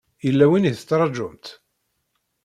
Yella win i tettṛajumt?